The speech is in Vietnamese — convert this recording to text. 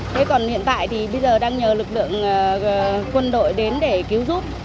thế còn hiện tại thì bây giờ đang nhờ lực lượng quân đội đến để cứu giúp